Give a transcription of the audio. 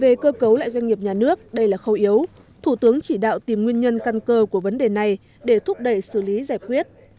về cơ cấu lại doanh nghiệp nhà nước đây là khâu yếu thủ tướng chỉ đạo tìm nguyên nhân căn cơ của vấn đề này để thúc đẩy xử lý giải quyết